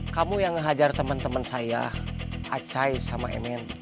kamu yang ngehajar temen temen saya acai sama emin